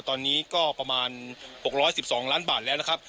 ตอนนี้ก็ประมาณหกร้อยสิบสองล้านบาทแล้วนะครับ